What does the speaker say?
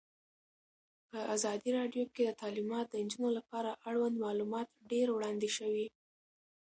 په ازادي راډیو کې د تعلیمات د نجونو لپاره اړوند معلومات ډېر وړاندې شوي.